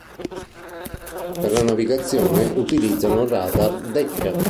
Per la navigazione, utilizzano il radar "Decca".